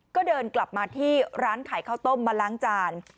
ก็เดินกลับมาที่ร้านขายข้าวต้มมาล้างจาน